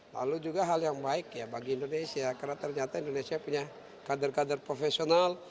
lalu juga hal yang baik ya bagi indonesia karena ternyata indonesia punya kader kader profesional